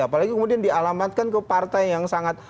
apalagi kemudian dialamatkan ke partai yang sangat